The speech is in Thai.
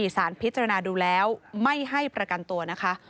สารพิจารณาดูแล้วไม่ให้ประกันตัวนะคะ